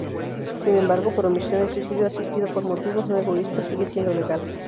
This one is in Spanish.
Sin embargo, por omisión, el suicidio asistido por motivos no egoístas sigue siendo legal.